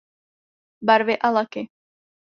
Barvy a laky.